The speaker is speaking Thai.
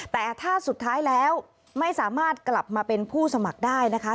แต่ถ้าสุดท้ายแล้วไม่สามารถกลับมาเป็นผู้สมัครได้นะคะ